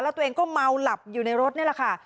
แล้วตัวเองก็เมาหลับอยู่ในรถนี่แหละค่ะ